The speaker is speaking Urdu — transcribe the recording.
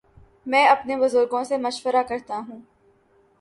میں اپنے بزرگوں سے مشورہ کرتا ہوں۔